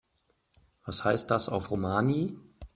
Was heißt das auf Romani?